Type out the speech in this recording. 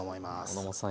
野本さん